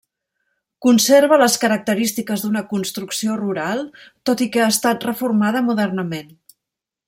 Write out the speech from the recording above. Conserva les característiques d'una construcció rural, tot i que ha estat reformada modernament.